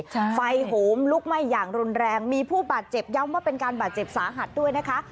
ใช่ไฟโหมลุกไหม้อย่างรุนแรงมีผู้บาดเจ็บย้ำว่าเป็นการบาดเจ็บสาหัสด้วยนะคะ